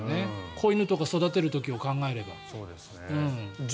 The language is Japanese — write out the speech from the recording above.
子犬とかを育てる時を考えれば。